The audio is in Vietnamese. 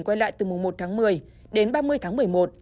quay lại từ mùng một tháng một mươi đến ba mươi tháng một mươi một